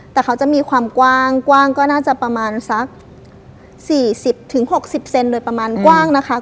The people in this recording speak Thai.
แต่เขาจะมีความกว้างกว้างก็น่าจะประมาณสักสี่สิบถึงหกสิบเซนต์โดยประมาณกว้างนะคะ